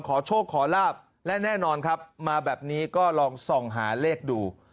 ขอโชคขอลาบและแน่นอนครับมาแบบนี้ก็ลองส่องหาเลขดู